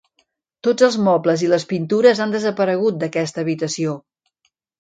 Tots els mobles i les pintures han desaparegut d'aquesta habitació.